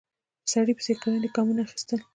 په سړي پسې يې ګړندي ګامونه اخيستل.